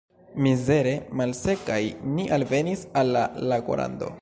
Mizere malsekaj ni alvenis al la lagorando.